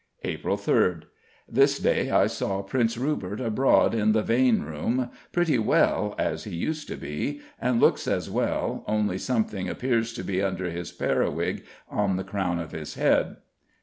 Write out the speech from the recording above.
April 3rd: This day I saw Prince Rupert abroad in the Vane room, pretty well as he used to be, and looks as well, only something appears to be under his periwigg on the crown of his head.